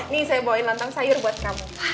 nih saya bawain lontong sayur buat kamu